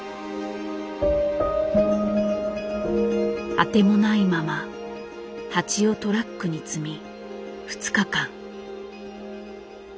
当てもないまま蜂をトラックに積み２日間。